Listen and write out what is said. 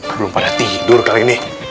belum pada tidur kali ini